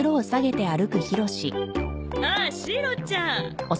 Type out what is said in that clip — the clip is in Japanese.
あっシロちゃん。